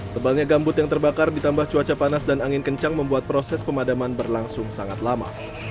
tebalnya gambut yang terbakar ditambah cuaca panas dan angin kencang membuat proses pemadaman berlangsung sangat lama